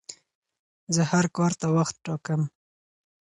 زه هر کار ته وخت ټاکم.